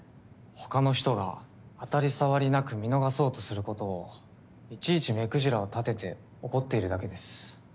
他の人が当たり障りなく見逃そうとすることをいちいち目くじらを立てて怒っているだけです。